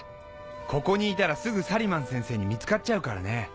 ここにいたらすぐサリマン先生に見つかっちゃうからね。